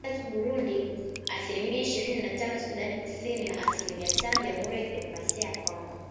Asilimiya tatu Burundi ,asilimia ishirini na tano Sudan Kusini na asilimia tano Jamhuri ya Kidemokrasia ya Kongo